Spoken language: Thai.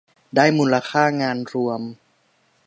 ได้มูลค่างานรวม